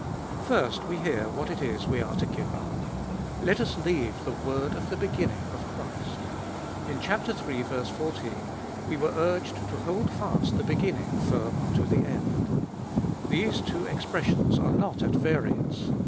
First we hear what it is we are to give up. Let US leave the word of the beginning of Christ. In chap. iii. 14 we were urged to hold fast the beginning firm unto the end. These two expressions are not at variance.